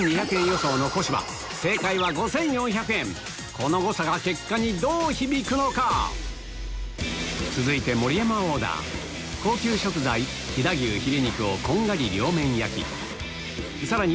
この誤差が結果にどう響くのか⁉続いて盛山オーダー高級食材飛騨牛ヒレ肉をこんがり両面焼きさらに